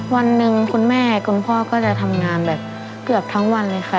วันหนึ่งคุณแม่คุณพ่อก็จะทำงานแบบเกือบทั้งวันเลยค่ะ